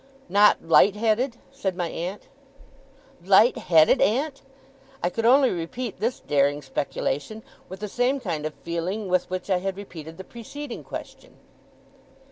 'Not light headed?' said my aunt. 'Light headed, aunt!' I could only repeat this daring speculation with the same kind of feeling with which I had repeated the preceding question.